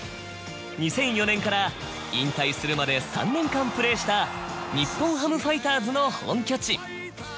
２００４年から引退するまで３年間プレーした日本ハムファイターズの本拠地。